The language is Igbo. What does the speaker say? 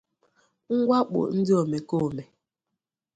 mwakpò ndị omekoome